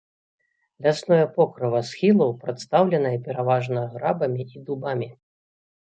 Лясное покрыва схілаў прадстаўленае пераважна грабамі і дубамі.